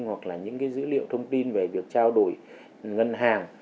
hoặc là những dữ liệu thông tin về việc trao đổi ngân hàng